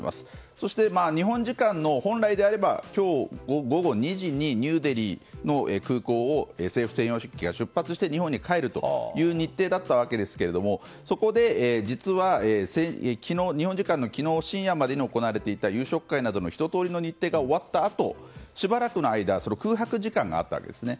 そして日本時間の本来であれば今日の午後２時にニューデリーの空港を政府専用機が出発して日本に帰るという日程だったわけですがそこで日本時間の昨日深夜までに行われていた夕食会などのひと通りの日程が終わったあとしばらくの間空白時間があったんですね。